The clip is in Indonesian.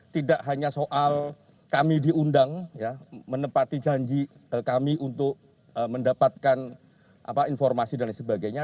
tidak hanya soal kami diundang menepati janji kami untuk mendapatkan informasi dan lain sebagainya